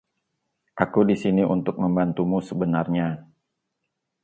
Aku di sini untuk membantumu sebenarnya.